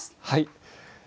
はい。